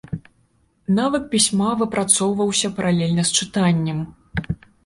Навык пісьма выпрацоўваўся паралельна з чытаннем.